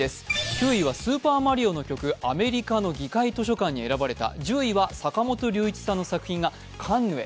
９位は「スーパーマリオ」の曲、アメリカの議会図書館に選ばれた１０位は坂本龍一さんの作品がカンヌへ。